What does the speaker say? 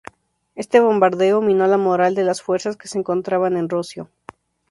Este bombardeo minó la moral de las fuerzas que se encontraban en Rossio.